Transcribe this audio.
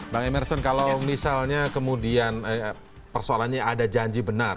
bang emerson kalau misalnya kemudian persoalannya ada janji benar